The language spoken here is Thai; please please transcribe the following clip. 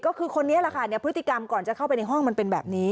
ก็คือคนนี้แหละค่ะพฤติกรรมก่อนจะเข้าไปในห้องมันเป็นแบบนี้